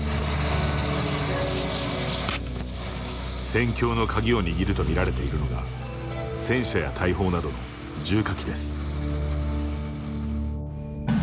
戦況の鍵を握ると見られているのが戦車や大砲などの重火器です。